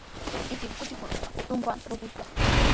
Ichik kuchikunapa trupanta ruqushqa.